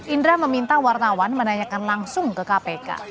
indra meminta wartawan menanyakan langsung ke kpk